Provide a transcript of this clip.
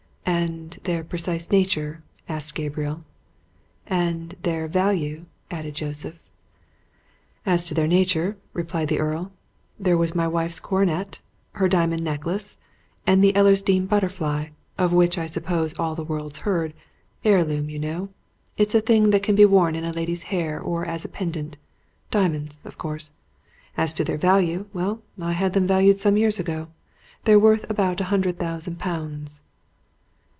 "And their precise nature?" asked Gabriel. "And their value?" added Joseph. "As to their nature," replied the Earl, "there was my wife's coronet, her diamond necklace, and the Ellersdeane butterfly, of which I suppose all the world's heard heirloom, you know. It's a thing that can be worn in a lady's hair or as a pendant diamonds, of course. As to their value well, I had them valued some years ago. They're worth about a hundred thousand pounds."